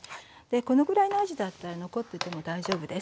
このぐらいのあじだったら残ってても大丈夫です。